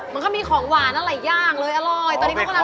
มันก็มีของหวานอะไรย่างเลยอร่อยตอนนี้เขากำลัง